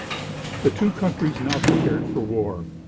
The two countries now prepared for war.